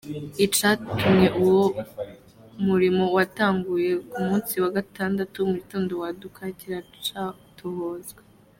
Icatumye uwo muriro watanguye ku musi wa gatandatu mu gitondo waduka kiracatohozwa.